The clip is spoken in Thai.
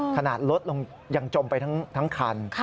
ขนาดรถลงยังจมไปทั้งคัน